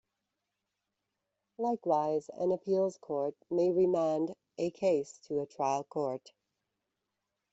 Likewise, an appeals court may remand a case to a trial court.